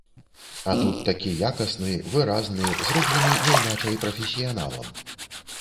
А тут такі якасны, выразны, зроблены няйначай прафесіяналам.